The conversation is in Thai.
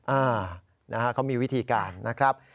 อ้าวเขามีวิธีการนะครับ